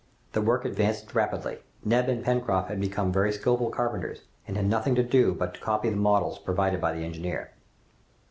The work advanced rapidly. Neb and Pencroft had become very skilful carpenters, and had nothing to do but to copy the models provided by the engineer.